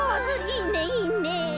いいねいいね。